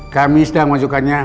kami sedang menunjukkannya